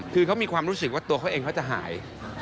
คือเขามีความรู้สึกว่าตัวเขาเองเขาจะหาย